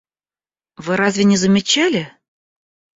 Вы разве не замечали?